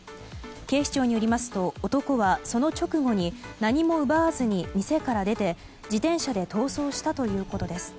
警視庁によりますと男はその直後に何も奪わずに店から出て自転車で逃走したということです。